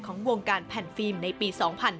ของวงการแผ่นฟิล์มในปี๒๕๕๙